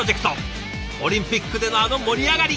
オリンピックでのあの盛り上がり！